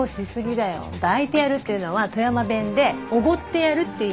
だいてやるっていうのは富山弁で「おごってやる」っていう意味。